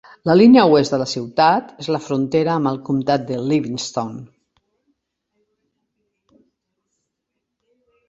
La línia oest de la ciutat és la frontera amb el comtat de Livingston.